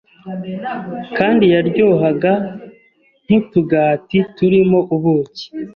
kandi yaryohaga nk utugati turimo ubuki